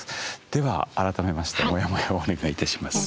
では改めましてモヤモヤをお願いいたします。